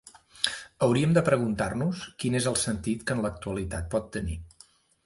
Hauríem de preguntar-nos quin és el sentit que en l’actualitat pot tenir.